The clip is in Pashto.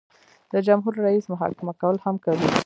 د جمهور رئیس محاکمه کول هم کوي.